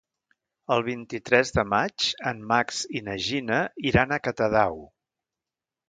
El vint-i-tres de maig en Max i na Gina iran a Catadau.